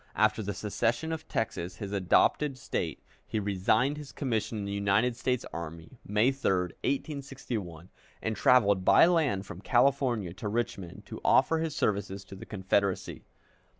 After the secession of Texas, his adopted State, he resigned his commission in the United States Army, May 3, 1861, and traveled by land from California to Richmond to offer his services to the Confederacy.